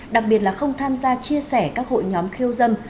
đặc biệt là không tham gia chia sẻ các hội nhóm khiêu dâm